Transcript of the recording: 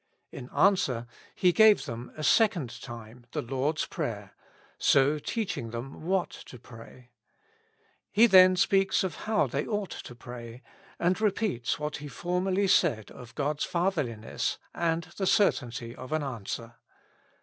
In answer He gave them a second time the Lord's Prayer, so teaching them what to pray. He then speaks of how they ought to pray, and repeats what he formerly said of God's Fatherliness and the certainty of an answer.